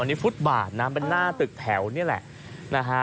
อันนี้ฟุตบาทนะเป็นหน้าตึกแถวนี่แหละนะฮะ